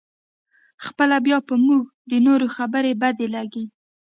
خپله بیا په موږ د نورو خبرې بدې لګېږي.